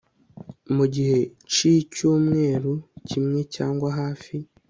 mugihe cicyumweru kimwe cyangwa hafi